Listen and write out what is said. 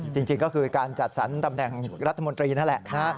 จริงก็คือการจัดสรรตำแหน่งรัฐมนตรีนั่นแหละนะฮะ